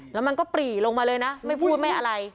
แล้วมันก็ปรีลงมาเลยนะไม่พูดไม่อะไร